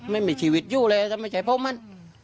ไม่มีชีวิตอยู่เลยทำไมใช่พวกมัน